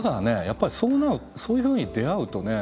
やっぱりそういうふうに出会うとね